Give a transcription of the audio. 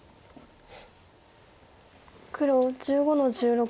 黒１５の十六。